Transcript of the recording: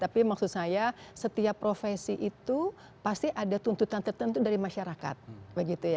tapi maksud saya setiap profesi itu pasti ada tuntutan tertentu dari masyarakat